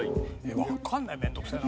わかんない面倒くさいな。